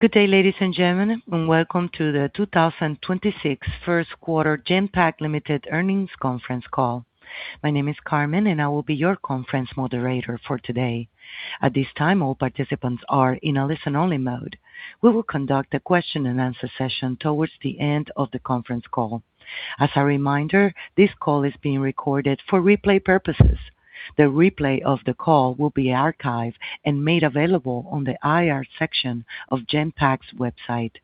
Good day, ladies and gentlemen, welcome to the 2026 first quarter Genpact Limited earnings conference call. My name is Carmen, I will be your conference moderator for today. At this time, all participants are in a listen-only mode. We will conduct a question-and-answer session towards the end of the conference call. As a reminder, this call is being recorded for replay purposes. The replay of the call will be archived and made available on the IR section of Genpact's website.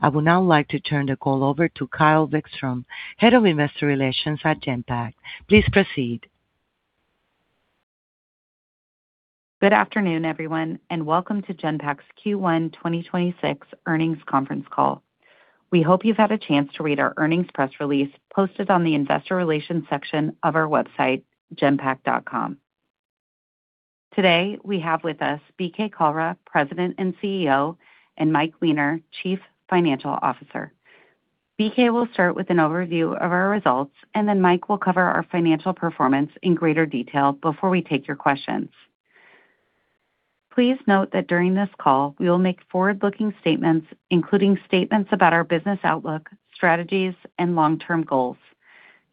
I would now like to turn the call over to Kyle Vikström, Head of Investor Relations at Genpact. Please proceed. Good afternoon, everyone, and welcome to Genpact's Q1 2026 earnings conference call. We hope you've had a chance to read our earnings press release posted on the investor relations section of our website, genpact.com. Today, we have with us BK Kalra, President and CEO, and Mike Weiner, Chief Financial Officer. BK will start with an overview of our results, and then Mike will cover our financial performance in greater detail before we take your questions. Please note that during this call, we will make forward-looking statements, including statements about our business outlook, strategies, and long-term goals.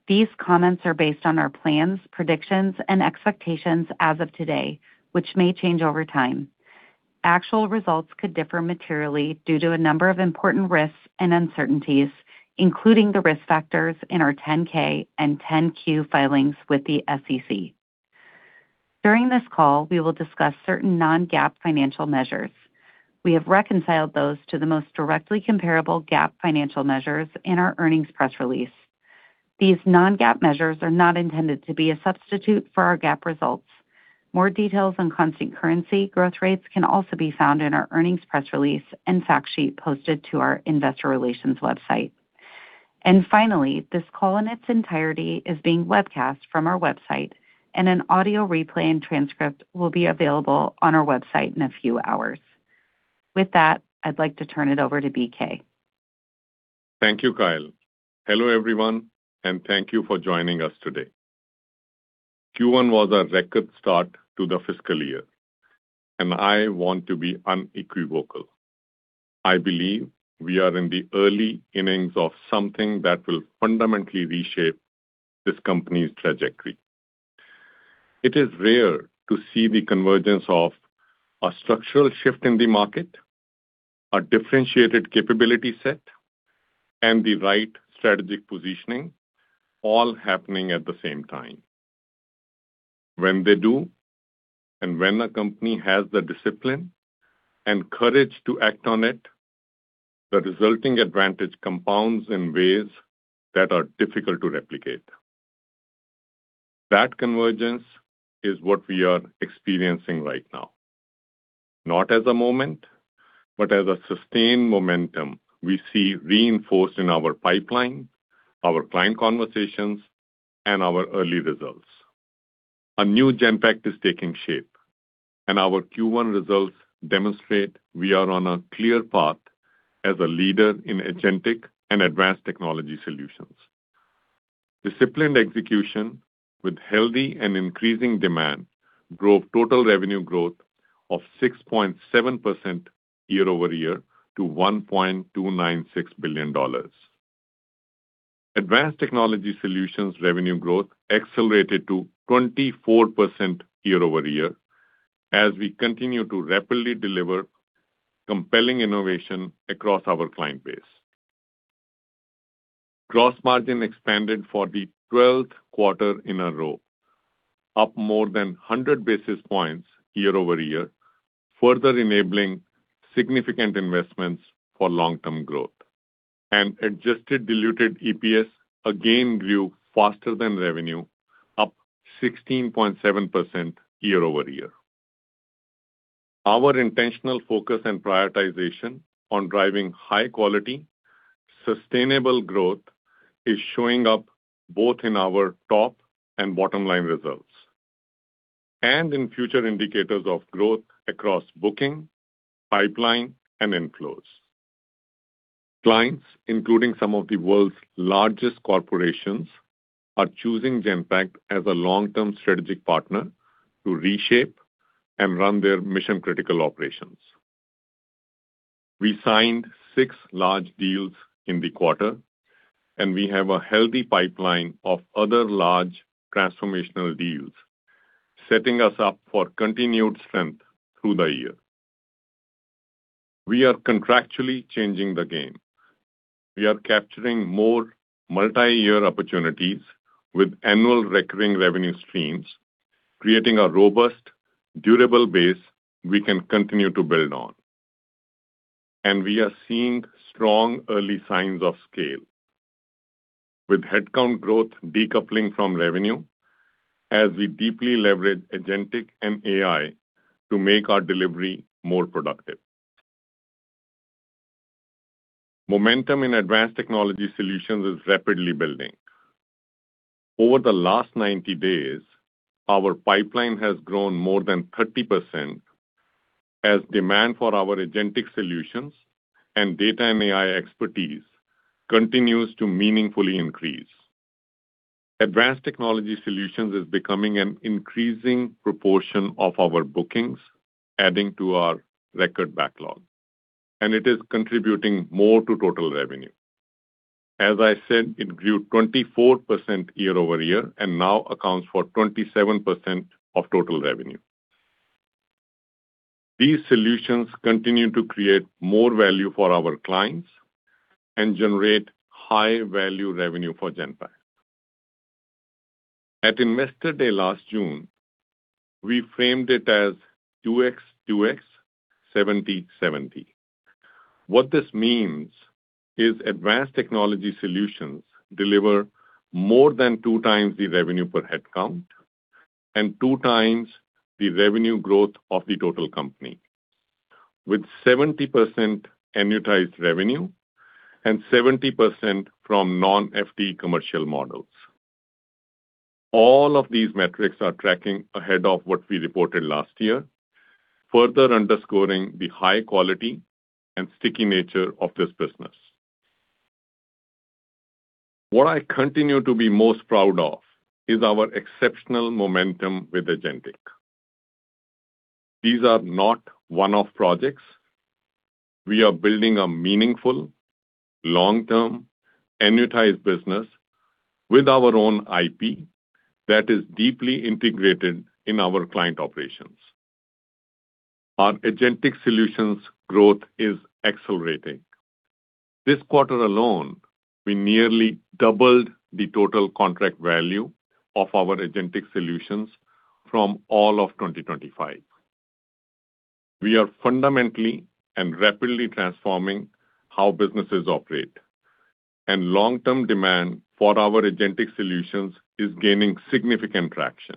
These comments are based on our plans, predictions, and expectations as of today, which may change over time. Actual results could differ materially due to a number of important risks and uncertainties, including the risk factors in our 10-K and 10-Q filings with the SEC. During this call, we will discuss certain non-GAAP financial measures. We have reconciled those to the most directly comparable GAAP financial measures in our earnings press release. These non-GAAP measures are not intended to be a substitute for our GAAP results. More details on constant currency growth rates can also be found in our earnings press release and fact sheet posted to our investor relations website. Finally, this call in its entirety is being webcast from our website, and an audio replay and transcript will be available on our website in a few hours. With that, I'd like to turn it over to BK. Thank you, Kyle. Hello, everyone, and thank you for joining us today. Q1 was a record start to the fiscal year, and I want to be unequivocal. I believe we are in the early innings of something that will fundamentally reshape this company's trajectory. It is rare to see the convergence of a structural shift in the market, a differentiated capability set, and the right strategic positioning all happening at the same time. When they do, and when a company has the discipline and courage to act on it, the resulting advantage compounds in ways that are difficult to replicate. That convergence is what we are experiencing right now. Not as a moment, but as a sustained momentum we see reinforced in our pipeline, our client conversations, and our early results. A new Genpact is taking shape, and our Q1 results demonstrate we are on a clear path as a leader in agentic and Advanced Technology Solutions. Disciplined execution with healthy and increasing demand drove total revenue growth of 6.7% year-over-year to $1.296 billion. Advanced Technology Solutions revenue growth accelerated to 24% year-over-year as we continue to rapidly deliver compelling innovation across our client base. Gross margin expanded for the 12th quarter in a row, up more than 100 basis points year-over-year, further enabling significant investments for long-term growth. Adjusted diluted EPS again grew faster than revenue, up 16.7% year-over-year. Our intentional focus and prioritization on driving high quality, sustainable growth is showing up both in our top and bottom line results and in future indicators of growth across booking, pipeline, and inflows. Clients, including some of the world's largest corporations, are choosing Genpact as a long-term strategic partner to reshape and run their mission-critical operations. We signed six large deals in the quarter, and we have a healthy pipeline of other large transformational deals, setting us up for continued strength through the year. We are contractually changing the game. We are capturing more multi-year opportunities with annual recurring revenue streams, creating a robust, durable base we can continue to build on. We are seeing strong early signs of scale with headcount growth decoupling from revenue as we deeply leverage agentic and AI to make our delivery more productive. Momentum in Advanced Technology Solutions is rapidly building. Over the last 90 days, our pipeline has grown more than 30% as demand for our agentic solutions and data and AI expertise continues to meaningfully increase. Advanced Technology Solutions is becoming an increasing proportion of our bookings, adding to our record backlog, It is contributing more to total revenue. As I said, it grew 24% year-over-year and now accounts for 27% of total revenue. These solutions continue to create more value for our clients and generate high-value revenue for Genpact. At Investor Day last June, we framed it as 2x 2x, 70/70. What this means is Advanced Technology Solutions deliver more than 2x the revenue per headcount and 2x the revenue growth of the total company, with 70% annuitized revenue and 70% from non-FTE commercial models. All of these metrics are tracking ahead of what we reported last year, further underscoring the high quality and sticky nature of this business. What I continue to be most proud of is our exceptional momentum with agentic. These are not one-off projects. We are building a meaningful, long-term, annuitized business with our own IP that is deeply integrated in our client operations. Our agentic solutions growth is accelerating. This quarter alone, we nearly doubled the total contract value of our agentic solutions from all of 2025. Long-term demand for our agentic solutions is gaining significant traction.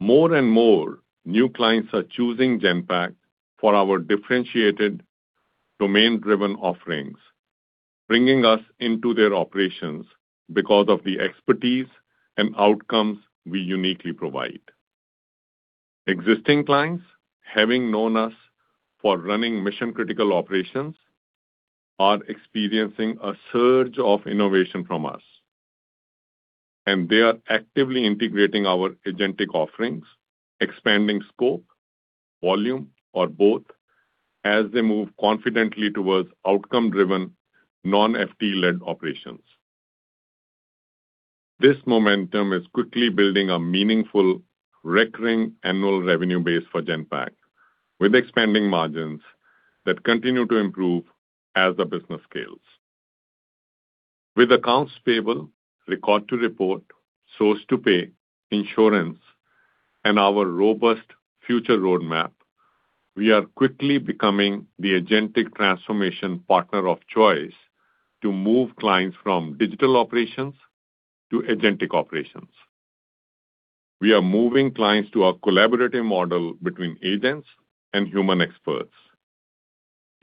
More and more new clients are choosing Genpact for our differentiated domain-driven offerings, bringing us into their operations because of the expertise and outcomes we uniquely provide. Existing clients, having known us for running mission-critical operations, are experiencing a surge of innovation from us, and they are actively integrating our agentic offerings, expanding scope, volume, or both as they move confidently towards outcome-driven, non-FTE-led operations. This momentum is quickly building a meaningful recurring annual revenue base for Genpact, with expanding margins that continue to improve as the business scales. With accounts payable, record-to-eport, source-to-pay, insurance, and our robust future roadmap, we are quickly becoming the agentic transformation partner of choice to move clients from digital operations to agentic operations. We are moving clients to a collaborative model between agents and human experts.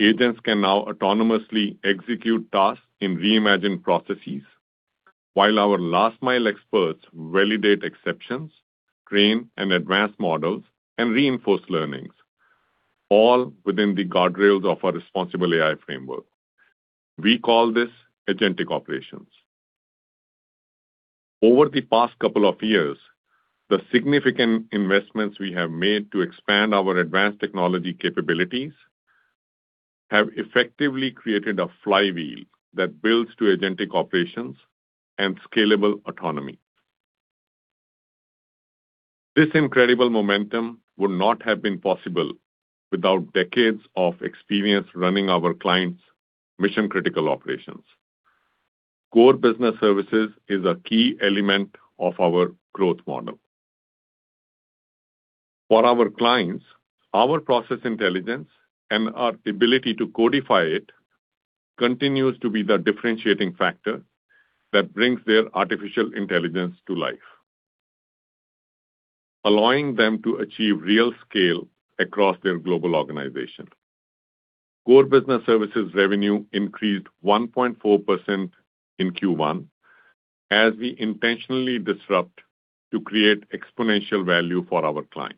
Agents can now autonomously execute tasks in reimagined processes, while our last-mile experts validate exceptions, train and advance models, and reinforce learnings, all within the guardrails of our responsible AI framework. We call this agentic operations. Over the past couple of years, the significant investments we have made to expand our advanced technology capabilities have effectively created a flywheel that builds to agentic operations and scalable autonomy. This incredible momentum would not have been possible without decades of experience running our clients' mission-critical operations. Core Business Services is a key element of our growth model. For our clients, our process intelligence and our ability to codify it continues to be the differentiating factor that brings their artificial intelligence to life, allowing them to achieve real scale across their global organization. Core Business Services revenue increased 1.4% in Q1 as we intentionally disrupt to create exponential value for our clients.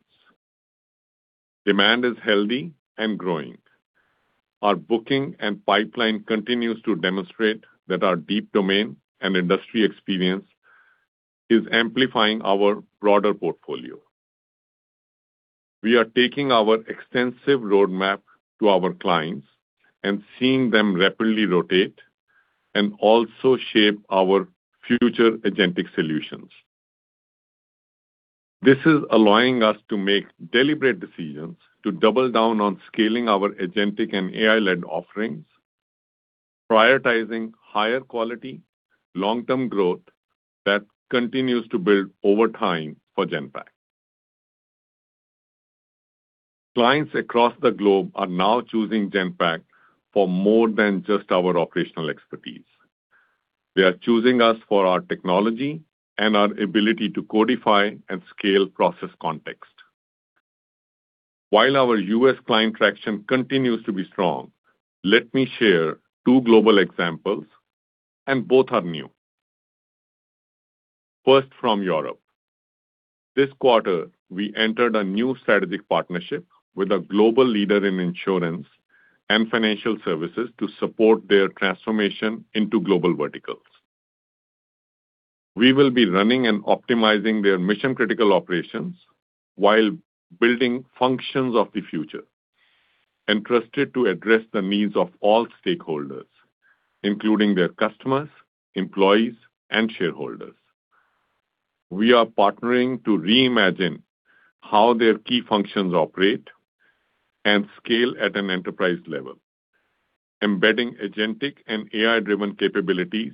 Demand is healthy and growing. Our booking and pipeline continues to demonstrate that our deep domain and industry experience is amplifying our broader portfolio. We are taking our extensive roadmap to our clients and seeing them rapidly rotate and also shape our future agentic solutions. This is allowing us to make deliberate decisions to double down on scaling our agentic and AI-led offerings, prioritizing higher quality, long-term growth that continues to build over time for Genpact. Clients across the globe are now choosing Genpact for more than just our operational expertise. They are choosing us for our technology and our ability to codify and scale process context. While our U.S. client traction continues to be strong, let me share two global examples, and both are new. First, from Europe. This quarter, we entered a new strategic partnership with a global leader in insurance and financial services to support their transformation into global verticals. We will be running and optimizing their mission-critical operations while building functions of the future and trusted to address the needs of all stakeholders, including their customers, employees, and shareholders. We are partnering to reimagine how their key functions operate and scale at an enterprise level, embedding agentic and AI-driven capabilities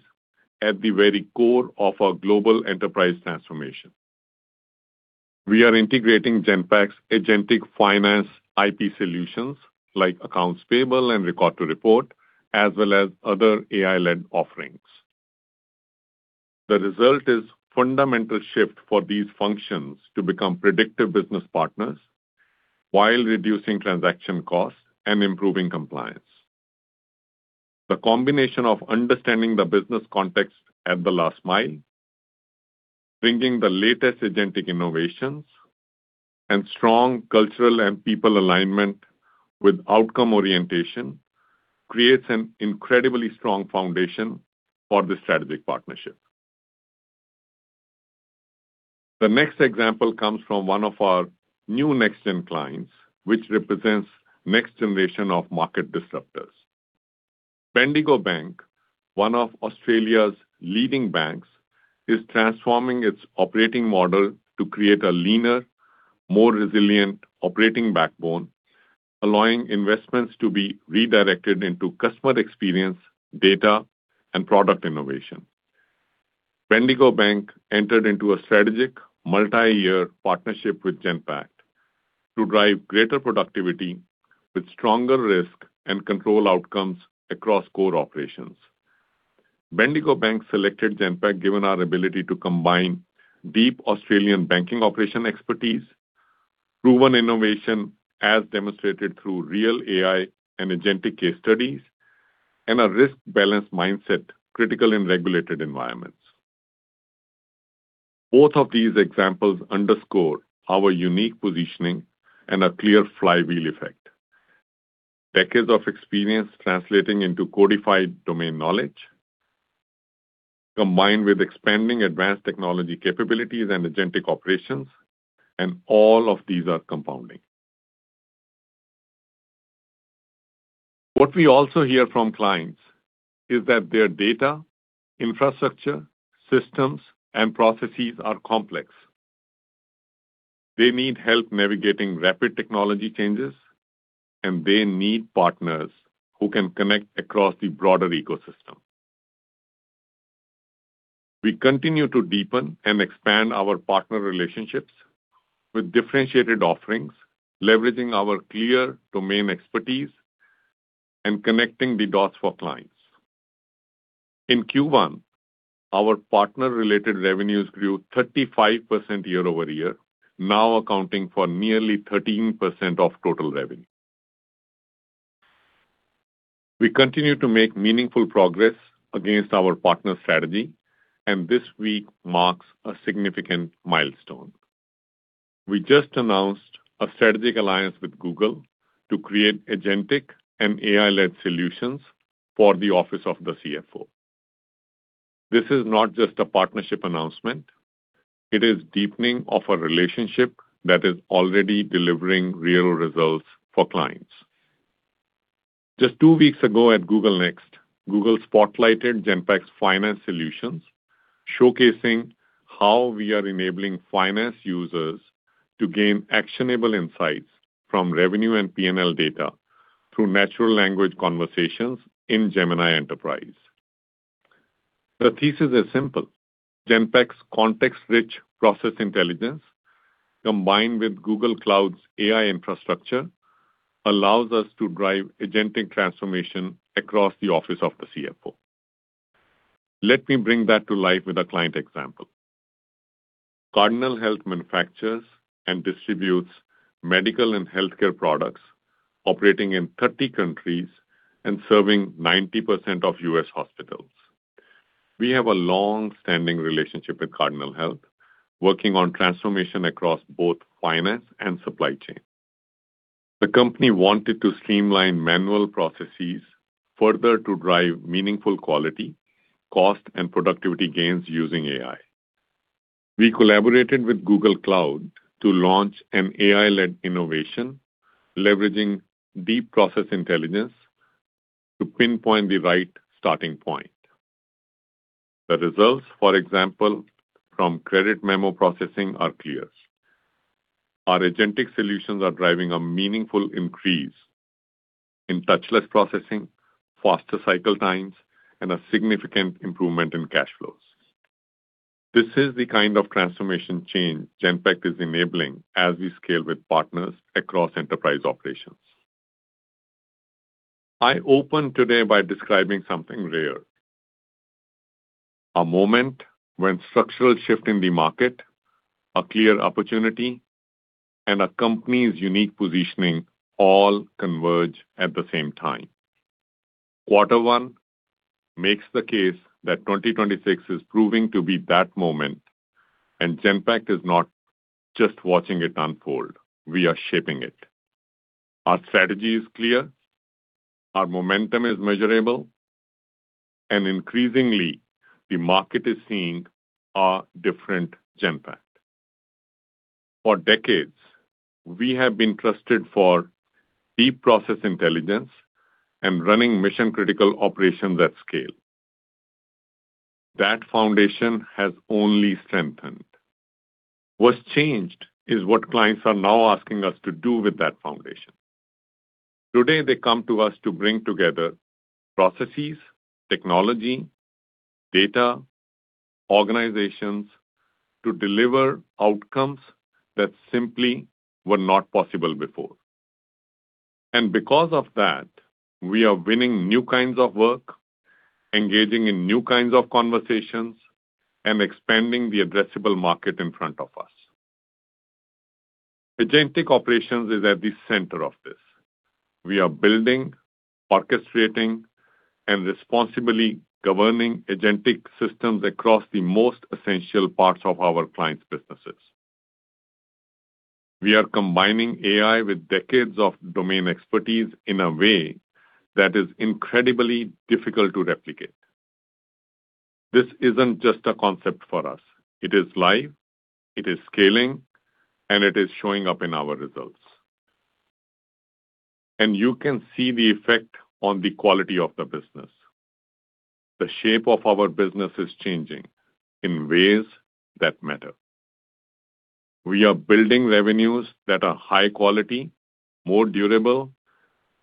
at the very core of our global enterprise transformation. We are integrating Genpact's agentic finance IP solutions like accounts payable and record-to-report, as well as other AI-led offerings. The result is fundamental shift for these functions to become predictive business partners while reducing transaction costs and improving compliance. The combination of understanding the business context at the last mile, bringing the latest agentic innovations, and strong cultural and people alignment with outcome orientation creates an incredibly strong foundation for this strategic partnership. The next example comes from one of our new next-gen clients, which represents next-generation of market disruptors. Bendigo Bank, one of Australia's leading banks, is transforming its operating model to create a leaner, more resilient operating backbone, allowing investments to be redirected into customer experience, data, and product innovation. Bendigo Bank entered into a strategic multi-year partnership with Genpact to drive greater productivity with stronger risk and control outcomes across core operations. Bendigo Bank selected Genpact given our ability to combine deep Australian banking operation expertise, proven innovation as demonstrated through real AI and agentic case studies, and a risk-balanced mindset critical in regulated environments. Both of these examples underscore our unique positioning and a clear flywheel effect. Decades of experience translating into codified domain knowledge, combined with expanding Advanced Technology Solutions capabilities and agentic operations, all of these are compounding. What we also hear from clients is that their data, infrastructure, systems, and processes are complex. They need help navigating rapid technology changes, they need partners who can connect across the broader ecosystem. We continue to deepen and expand our partner relationships with differentiated offerings, leveraging our clear domain expertise and connecting the dots for clients. In Q1, our partner-related revenues grew 35% year-over-year, now accounting for nearly 13% of total revenue. We continue to make meaningful progress against our partner strategy, this week marks a significant milestone. We just announced a strategic alliance with Google to create agentic and AI-led solutions for the office of the CFO. This is not just a partnership announcement. It is deepening of a relationship that is already delivering real results for clients. Just two weeks ago at Google Cloud Next, Google spotlighted Genpact's finance solutions, showcasing how we are enabling finance users to gain actionable insights from revenue and P&L data through natural language conversations in Gemini Enterprise. The thesis is simple. Genpact's context-rich process intelligence, combined with Google Cloud's AI infrastructure, allows us to drive agentic transformation across the office of the CFO. Let me bring that to life with a client example. Cardinal Health manufactures and distributes medical and healthcare products operating in 30 countries and serving 90% of U.S. hospitals. We have a long-standing relationship with Cardinal Health, working on transformation across both finance and supply chain. The company wanted to streamline manual processes further to drive meaningful quality, cost, and productivity gains using AI. We collaborated with Google Cloud to launch an AI-led innovation, leveraging deep process intelligence to pinpoint the right starting point. The results, for example, from credit memo processing are clear. Our agentic solutions are driving a meaningful increase in touchless processing, faster cycle times, and a significant improvement in cash flows. This is the kind of transformation change Genpact is enabling as we scale with partners across enterprise operations. I opened today by describing something rare: a moment when structural shift in the market, a clear opportunity, and a company's unique positioning all converge at the same time. Q1 makes the case that 2026 is proving to be that moment, and Genpact is not just watching it unfold, we are shaping it. Our strategy is clear, our momentum is measurable, and increasingly the market is seeing a different Genpact. For decades, we have been trusted for deep process intelligence and running mission-critical operations at scale. That foundation has only strengthened. What's changed is what clients are now asking us to do with that foundation. Today they come to us to bring together processes, technology, data, organizations to deliver outcomes that simply were not possible before. Because of that, we are winning new kinds of work, engaging in new kinds of conversations, and expanding the addressable market in front of us. agentic operations is at the center of this. We are building, orchestrating, and responsibly governing agentic systems across the most essential parts of our clients' businesses. We are combining AI with decades of domain expertise in a way that is incredibly difficult to replicate. This isn't just a concept for us. It is live, it is scaling, and it is showing up in our results. You can see the effect on the quality of the business. The shape of our business is changing in ways that matter. We are building revenues that are high quality, more durable,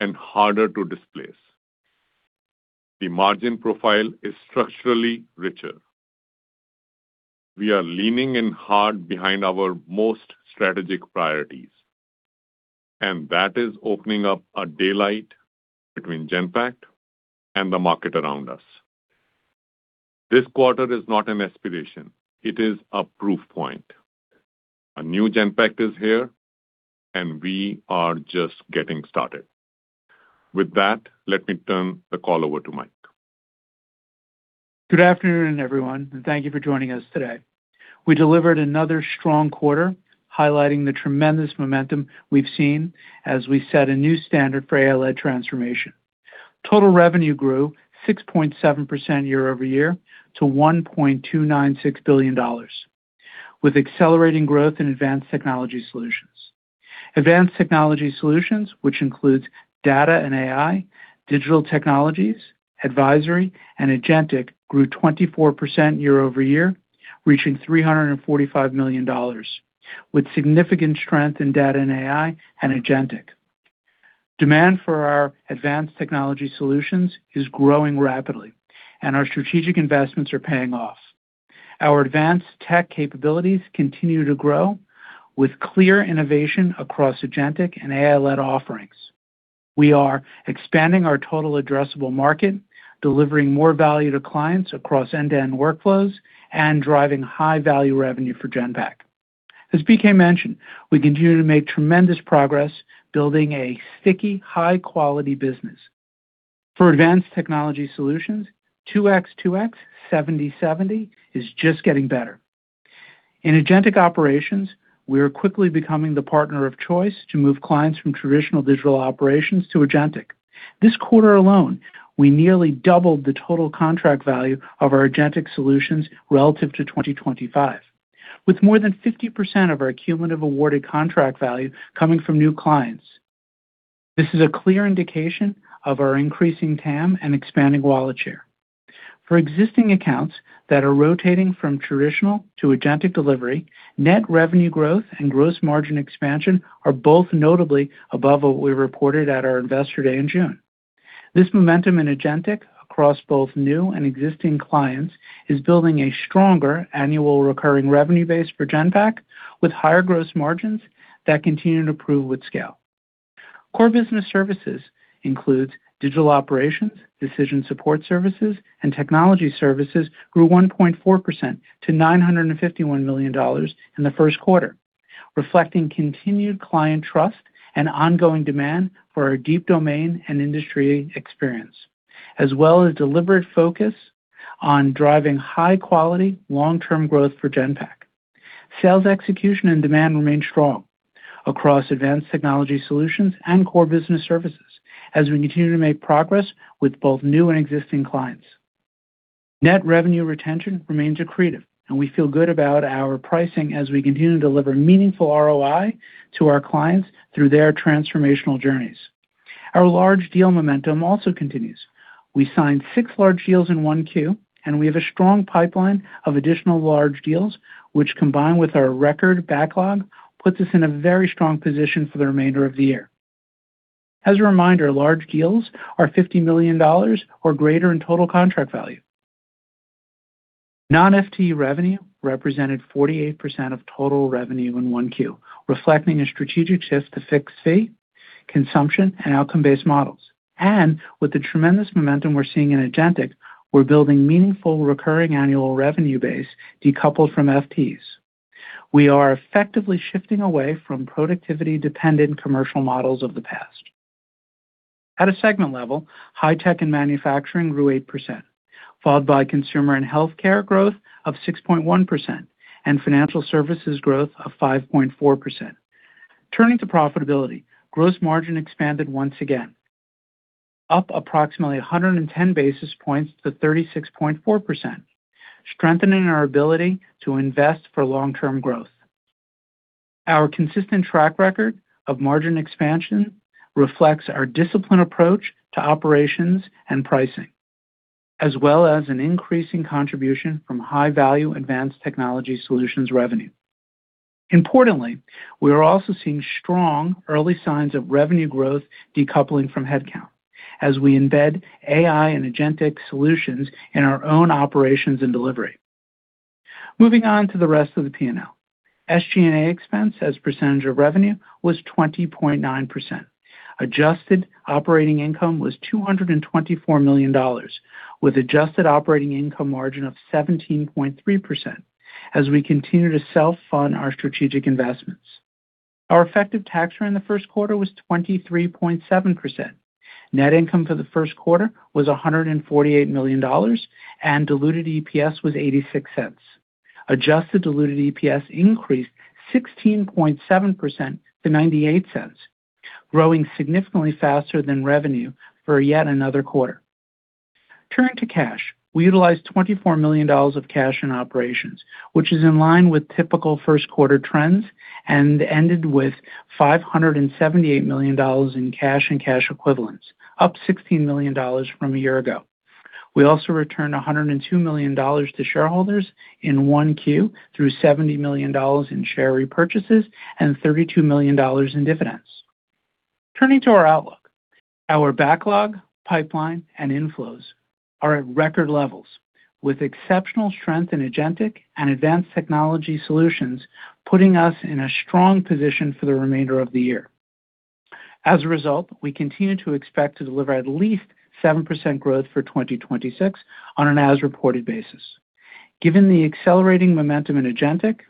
and harder to displace. The margin profile is structurally richer. We are leaning in hard behind our most strategic priorities, that is opening up a daylight between Genpact and the market around us. This quarter is not an aspiration, it is a proof point. A new Genpact is here, and we are just getting started. With that, let me turn the call over to Mike. Good afternoon, everyone, and thank you for joining us today. We delivered another strong quarter highlighting the tremendous momentum we've seen as we set a new standard for AI-led transformation. Total revenue grew 6.7% year-over-year to $1.296 billion, with accelerating growth in Advanced Technology Solutions. Advanced Technology Solutions, which includes data and AI, digital technologies, advisory, and agentic, grew 24% year-over-year, reaching $345 million with significant strength in data and AI and agentic. Demand for our Advanced Technology Solutions is growing rapidly, and our strategic investments are paying off. Our advanced tech capabilities continue to grow with clear innovation across agentic and AI-led offerings. We are expanding our total addressable market, delivering more value to clients across end-to-end workflows, and driving high-value revenue for Genpact. As BK Kalra mentioned, we continue to make tremendous progress building a sticky, high-quality business. For Advanced Technology Solutions, 2x 2x, 70/70 is just getting better. In agentic operations, we are quickly becoming the partner of choice to move clients from traditional digital operations to agentic. This quarter alone, we nearly doubled the total contract value of our agentic solutions relative to 2025, with more than 50% of our cumulative awarded contract value coming from new clients. This is a clear indication of our increasing TAM and expanding wallet share. For existing accounts that are rotating from traditional to agentic delivery, net revenue growth and gross margin expansion are both notably above what we reported at our Investor Day in June. This momentum in agentic across both new and existing clients is building a stronger annual recurring revenue base for Genpact with higher gross margins that continue to improve with scale. Core Business Services includes digital operations, decision support services, and technology services grew 1.4% to $951 million in the first quarter, reflecting continued client trust and ongoing demand for our deep domain and industry experience, as well as deliberate focus on driving high quality long-term growth for Genpact. Sales execution and demand remain strong across Advanced Technology Solutions and Core Business Services as we continue to make progress with both new and existing clients. Net revenue retention remains accretive, and we feel good about our pricing as we continue to deliver meaningful ROI to our clients through their transformational journeys. Our large deal momentum also continues. We signed six large deals in 1Q. We have a strong pipeline of additional large deals which, combined with our record backlog, puts us in a very strong position for the remainder of the year. As a reminder, large deals are $50 million or greater in total contract value. non-FTE revenue represented 48% of total revenue in 1Q, reflecting a strategic shift to fixed fee, consumption, and outcome-based models. With the tremendous momentum we're seeing in agentic, we're building meaningful recurring annual revenue base decoupled from FTEs. We are effectively shifting away from productivity-dependent commercial models of the past. At a segment level, High Tech and Manufacturing grew 8%, followed by Consumer and Healthcare growth of 6.1% and Financial Services growth of 5.4%. Turning to profitability, gross margin expanded once again, up approximately 110 basis points to 36.4%, strengthening our ability to invest for long-term growth. Our consistent track record of margin expansion reflects our disciplined approach to operations and pricing, as well as an increasing contribution from high-value Advanced Technology Solutions revenue. Importantly, we are also seeing strong early signs of revenue growth decoupling from headcount as we embed AI and agentic solutions in our own operations and delivery. Moving on to the rest of the P&L. SG&A expense as a percentage of revenue was 20.9%. Adjusted operating income was $224 million with adjusted operating income margin of 17.3% as we continue to self-fund our strategic investments. Our effective tax rate in the first quarter was 23.7%. Net income for the 1st quarter was $148 million. Diluted EPS was $0.86. Adjusted diluted EPS increased 16.7% to $0.98, growing significantly faster than revenue for yet another quarter. Turning to cash. We utilized $24 million of cash in operations, which is in line with typical 1st-quarter trends and ended with $578 million in cash and cash equivalents, up $16 million from a year ago. We also returned $102 million to shareholders in 1Q through $70 million in share repurchases and $32 million in dividends. Turning to our outlook. Our backlog, pipeline, and inflows are at record levels, with exceptional strength in agentic and Advanced Technology Solutions, putting us in a strong position for the remainder of the year. As a result, we continue to expect to deliver at least 7% growth for 2026 on an as-reported basis. Given the accelerating momentum in agentic,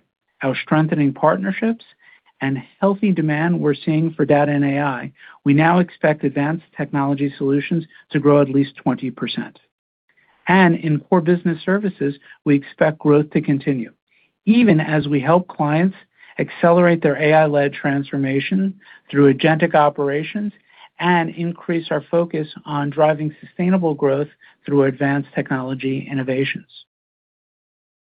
our strengthening partnerships, and healthy demand we're seeing for data and AI, we now expect Advanced Technology Solutions to grow at least 20%. In Core Business Services, we expect growth to continue. Even as we help clients accelerate their AI-led transformation through agentic operations and increase our focus on driving sustainable growth through advanced technology innovations.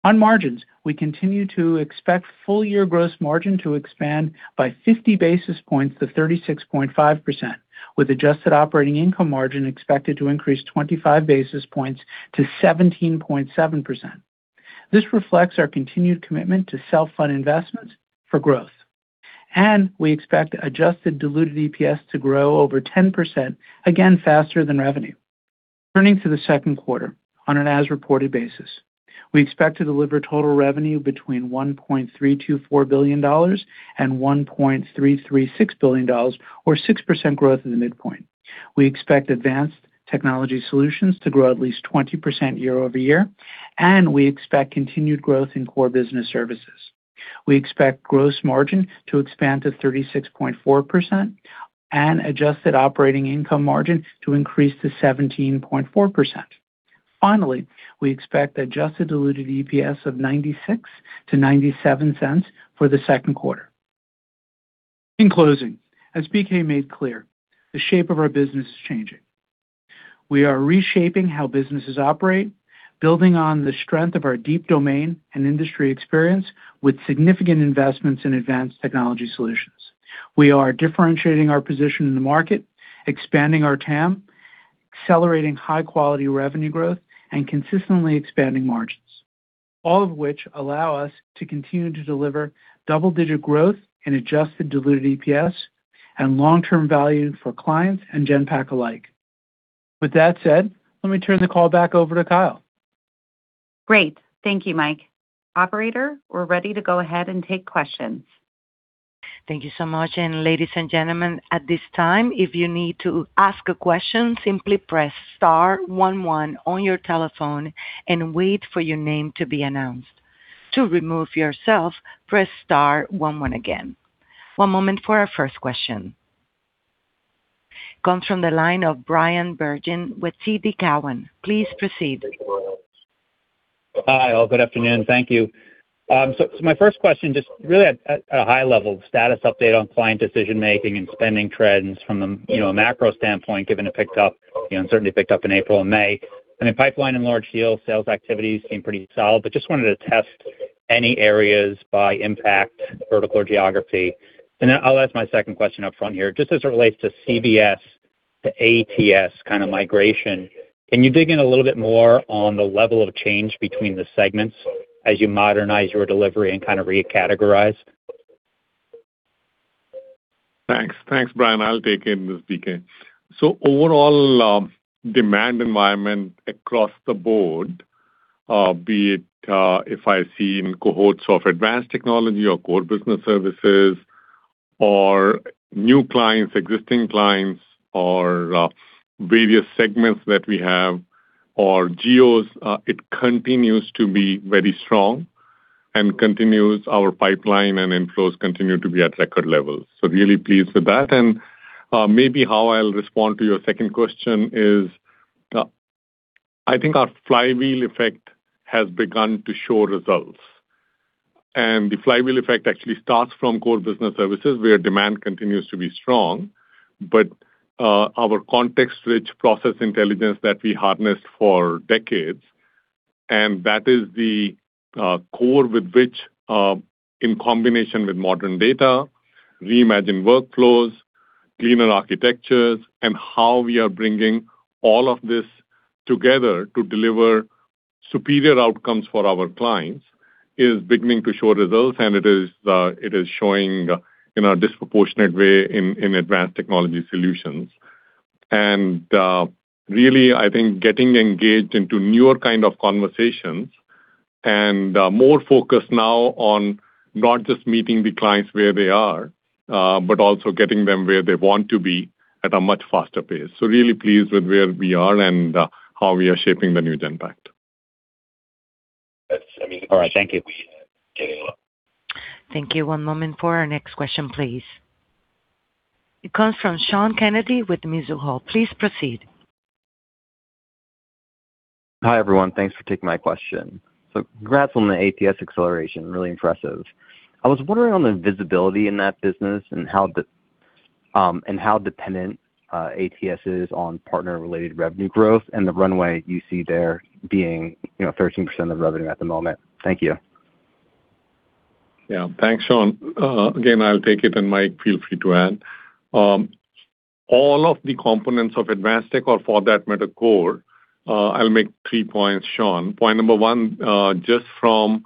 On margins, we continue to expect full-year gross margin to expand by 50 basis points to 36.5%, with adjusted operating income margin expected to increase 25 basis points to 17.7%. This reflects our continued commitment to self-fund investments for growth, and we expect adjusted diluted EPS to grow over 10%, again, faster than revenue. Turning to the second quarter on an as-reported basis. We expect to deliver total revenue between $1.324 billion and $1.336 billion, or 6% growth at the midpoint. We expect Advanced Technology Solutions to grow at least 20% year-over-year, and we expect continued growth in Core Business Services. We expect gross margin to expand to 36.4% and adjusted operating income margin to increase to 17.4%. Finally, we expect adjusted diluted EPS of $0.96-$0.97 for the second quarter. In closing, as BK made clear, the shape of our business is changing. We are reshaping how businesses operate, building on the strength of our deep domain and industry experience with significant investments in Advanced Technology Solutions. We are differentiating our position in the market, expanding our TAM, accelerating high-quality revenue growth, and consistently expanding margins, all of which allow us to continue to deliver double-digit growth in adjusted diluted EPS and long-term value for clients and Genpact alike. With that said, let me turn the call back over to Kyle. Great. Thank you, Mike. Operator, we are ready to go ahead and take questions. Comes from the line of Bryan Bergin with TD Cowen. Please proceed. Hi, all. Good afternoon. Thank you. My first question, just really at a high level, status update on client decision-making and spending trends from the, you know, a macro standpoint, given it picked up, you know, and certainly picked up in April and May. Pipeline and large deals, sales activities seem pretty solid, but just wanted to test any areas by Genpact, vertical or geography. I'll ask my second question upfront here. Just as it relates to CBS to ATS kind of migration, can you dig in a little bit more on the level of change between the segments as you modernize your delivery and kind of recategorize? Thanks. Thanks, Bryan. I'll take it, BK. Overall, demand environment across the board, be it, if I see in cohorts of Advanced Technology or Core Business Services. New clients, existing clients or various segments that we have or geos, it continues to be very strong and our pipeline and inflows continue to be at record levels. Really pleased with that. Maybe how I'll respond to your second question is, I think our flywheel effect has begun to show results. The flywheel effect actually starts from Core Business Services, where demand continues to be strong. Our context-rich process intelligence that we harnessed for decades, and that is the core with which, in combination with modern data, reimagined workflows, cleaner architectures, and how we are bringing all of this together to deliver superior outcomes for our clients, is beginning to show results, and it is showing in a disproportionate way in Advanced Technology Solutions. Really, I think getting engaged into newer kind of conversations and more focus now on not just meeting the clients where they are, but also getting them where they want to be at a much faster pace. Really pleased with where we are and how we are shaping the new Genpact. All right. Thank you. Thank you. One moment for our next question, please. It comes from Sean Kennedy with Mizuho. Please proceed. Hi, everyone. Thanks for taking my question. Congrats on the ATS acceleration. Really impressive. I was wondering on the visibility in that business and how dependent ATS is on partner-related revenue growth and the runway you see there being, you know, 13% of revenue at the moment. Thank you. Thanks, Sean. Again, I'll take it, and Mike, feel free to add. All of the components of Advanced tech or for that matter, Core, I'll make three points, Sean. Point number 1, just from,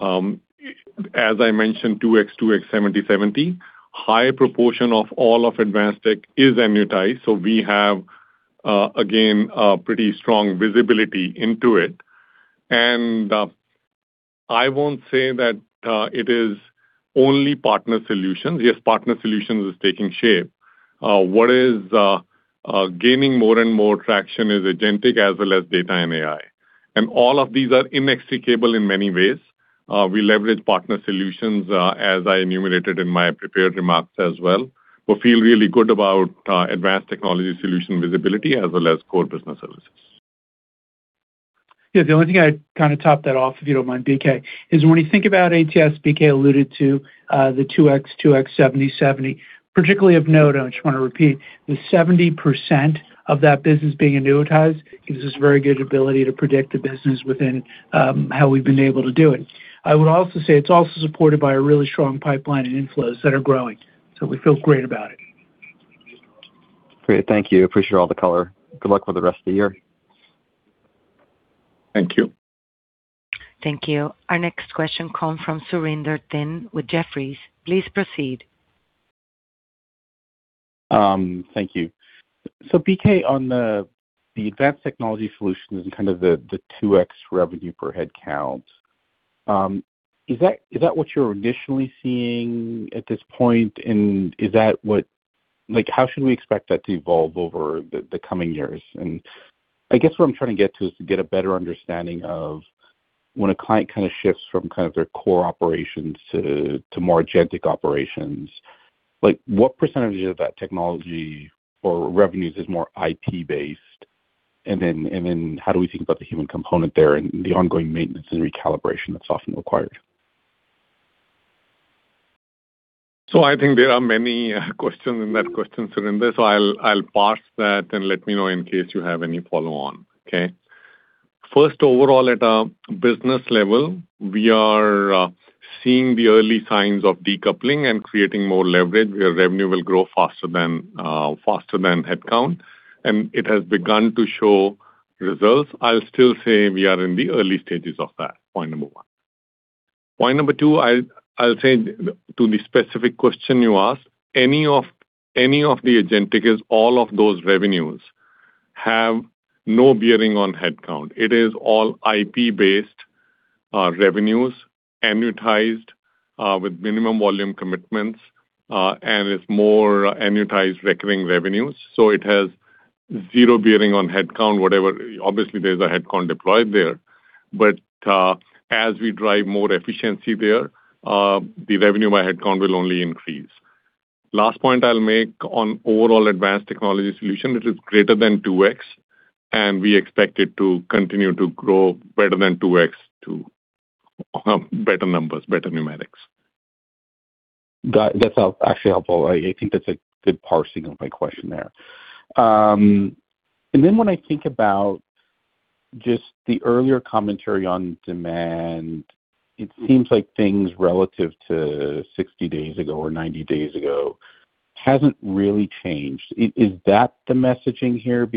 as I mentioned, 2x 2x 70/70, high proportion of all of Advanced tech is annuitized. We have, again, a pretty strong visibility into it. I won't say that it is only partner solutions. Yes, partner solutions is taking shape. What is gaining more and more traction is agentic as well as data and AI. All of these are inextricable in many ways. We leverage partner solutions, as I enumerated in my prepared remarks as well. We feel really good about Advanced Technology Solutions visibility as well as Core Business Services. Yeah. The only thing I kind of top that off, if you don't mind, BK, is when you think about ATS, BK alluded to the 2x 2x, 70/70, particularly of note, I just want to repeat, the 70% of that business being annuitized gives us very good ability to predict the business within how we've been able to do it. I would also say it's also supported by a really strong pipeline and inflows that are growing, so we feel great about it. Great. Thank you. Appreciate all the color. Good luck with the rest of the year. Thank you. Thank you. Our next question comes from Surinder Thind with Jefferies. Please proceed. Thank you. BK, on the Advanced Technology Solutions and kind of the 2x revenue/head, is that what you're initially seeing at this point? Like, how should we expect that to evolve over the coming years? I guess what I'm trying to get to is to get a better understanding of when a client kind of shifts from kind of their core operations to more agentic operations. Like, what percentage of that technology or revenues is more IT-based? And then how do we think about the human component there and the ongoing maintenance and recalibration that's often required? I think there are many questions in that question, Surinder, I'll parse that and let me know in case you have any follow on. Okay? First, overall at a business level, we are seeing the early signs of decoupling and creating more leverage, where revenue will grow faster than headcount, and it has begun to show results. I'll still say we are in the early stages of that, point number one. Point number two, I'll say to the specific question you asked, any of the agentic is all of those revenues have no bearing on headcount. It is all IP-based revenues annuitized with minimum volume commitments, and it's more annuitized recurring revenues. It has zero bearing on headcount, whatever. Obviously, there's a headcount deployed there. As we drive more efficiency there, the revenue by headcount will only increase. Last point I'll make on overall Advanced Technology Solutions, it is greater than 2x, we expect it to continue to grow better than 2x to better numbers, better numerics. Got it. That's actually helpful. I think that's a good parsing of my question there. Then when I think about just the earlier commentary on demand, it seems like things relative to 60 days ago or 90 days ago hasn't really changed. Is that the messaging here?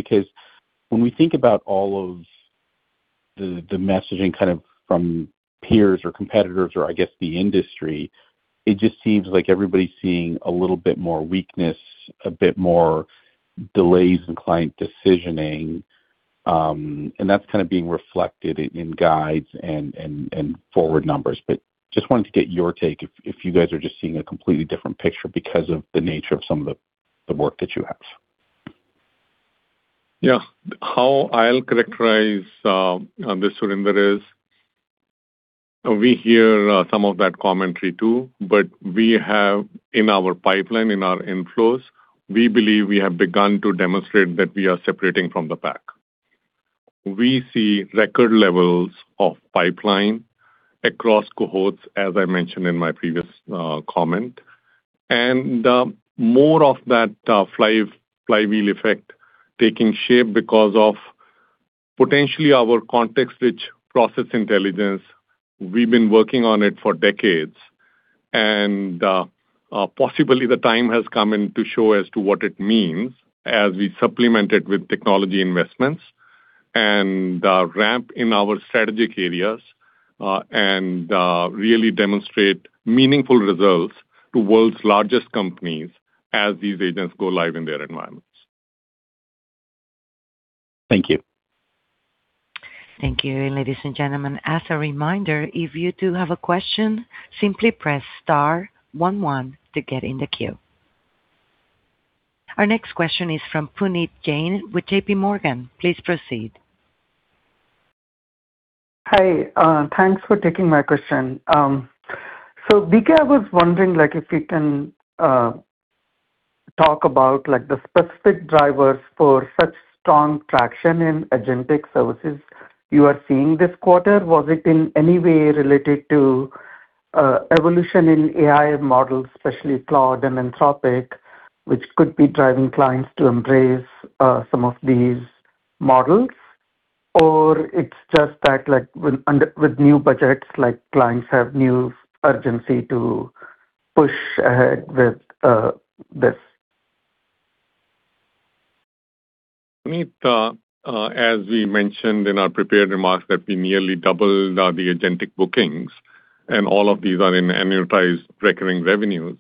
When we think about all of the messaging kind of from peers or competitors or I guess the industry, it just seems like everybody's seeing a little bit more weakness, a bit more delays in client decisioning. That's kind of being reflected in guides and forward numbers. Just wanted to get your take if you guys are just seeing a completely different picture because of the nature of some of the work that you have. Yeah. How I'll characterize this, Surinder, is we hear some of that commentary too, but we have in our pipeline, in our inflows, we believe we have begun to demonstrate that we are separating from the pack. We see record levels of pipeline across cohorts, as I mentioned in my previous comment, and more of that flywheel effect taking shape because of potentially our context-rich process intelligence. We've been working on it for decades and possibly the time has come in to show as to what it means as we supplement it with technology investments and ramp in our strategic areas and really demonstrate meaningful results to world's largest companies as these agents go live in their environments. Thank you. Thank you. Ladies and gentlemen, as a reminder, if you do have a question, simply press star 11 to get in the queue. Our next question is from Puneet Jain with JPMorgan. Please proceed. Hi. Thanks for taking my question. BK, I was wondering, like, if you can talk about, like, the specific drivers for such strong traction in agentic services you are seeing this quarter. Was it in any way related to evolution in AI models, especially Claude and Anthropic, which could be driving clients to embrace some of these models? Or it's just that, like, with new budgets, like, clients have new urgency to push ahead with this? Puneet, as we mentioned in our prepared remarks that we nearly doubled the agentic bookings and all of these are in annualized recurring revenues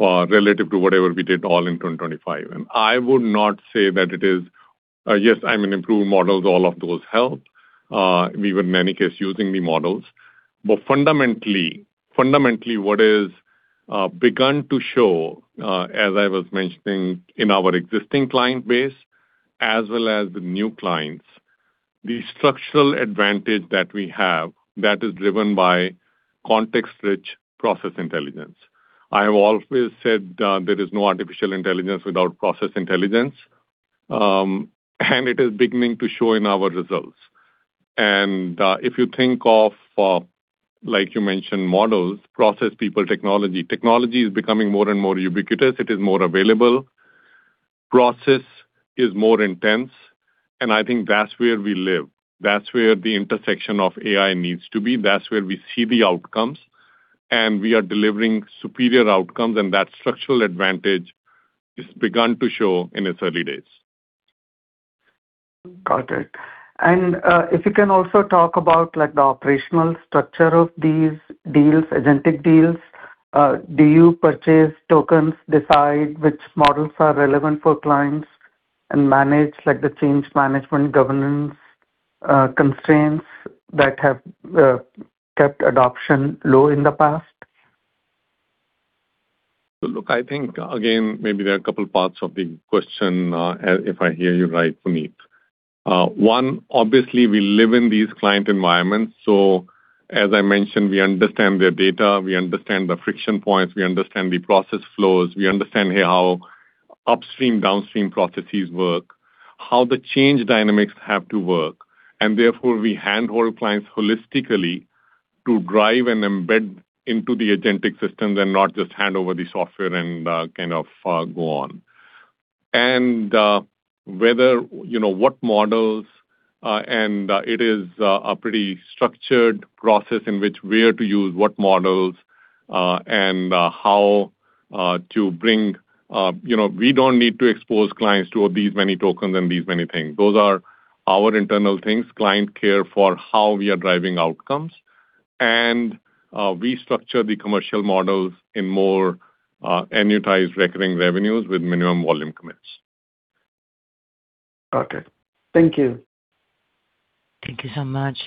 relative to whatever we did all in 2025. I would not say that it is improved models, all of those help. We were in many cases using the models. Fundamentally, what is begun to show, as I was mentioning in our existing client base as well as the new clients, the structural advantage that we have that is driven by context-rich process intelligence. I have always said, there is no artificial intelligence without process intelligence, and it is beginning to show in our results. If you think of, like you mentioned, models, process, people, technology. Technology is becoming more and more ubiquitous. It is more available. Process is more intense, and I think that's where we live. That's where the intersection of AI needs to be. That's where we see the outcomes, and we are delivering superior outcomes, and that structural advantage has begun to show in its early days. Got it. If you can also talk about, like, the operational structure of these deals, agentic deals. Do you purchase tokens, decide which models are relevant for clients and manage, like, the change management governance, constraints that have kept adoption low in the past? Look, I think, again, maybe there are a couple parts of the question, if I hear you right, Puneet. One, obviously, we live in these client environments, so as I mentioned, we understand their data, we understand the friction points, we understand the process flows, we understand how upstream, downstream processes work, how the change dynamics have to work, and therefore we hand-hold clients holistically to drive and embed into the agentic systems and not just hand over the software and kind of go on. Whether, you know, what models, and it is a pretty structured process in which where to use what models, and how to bring You know, we don't need to expose clients to these many tokens and these many things. Those are our internal things. Client care for how we are driving outcomes. We structure the commercial models in more annualized recurring revenues with minimum volume commits. Okay. Thank you. Thank you so much.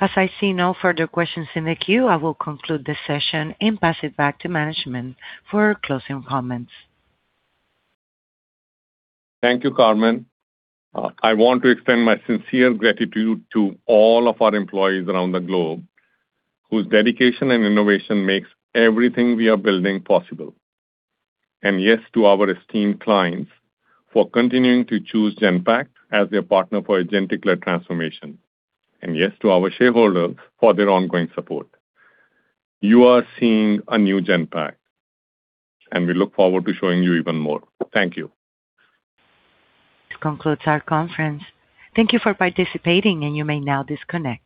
As I see no further questions in the queue, I will conclude this session and pass it back to management for closing comments. Thank you, Carmen. I want to extend my sincere gratitude to all of our employees around the globe whose dedication and innovation makes everything we are building possible. Yes to our esteemed clients for continuing to choose Genpact as their partner for agentic-led transformation. Yes to our shareholders for their ongoing support. You are seeing a new Genpact, and we look forward to showing you even more. Thank you. This concludes our conference. Thank you for participating, and you may now disconnect.